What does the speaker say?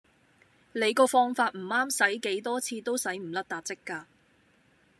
你個放法唔啱洗幾多次都洗唔甩撻漬架